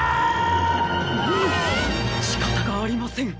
しかたがありません。